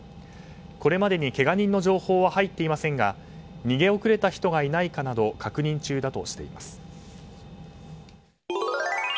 これまでにけが人の情報は入っていませんが逃げ遅れた人がいないかなど確認中だとしています。